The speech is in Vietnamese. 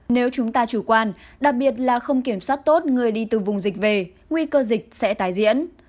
nếu chúng ta chủ quan đặc biệt là không kiểm soát tốt người đi từ vùng dịch về nguy cơ dịch sẽ tái diễn